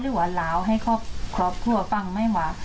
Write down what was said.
หรือว่าลาวให้ครอบครัวฟังไม่ว่า